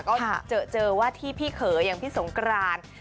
ก็เจอว่าที่พี่เขยอย่างพี่สงกราน